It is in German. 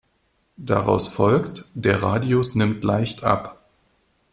Daraus folgt: Der Radius nimmt leicht ab.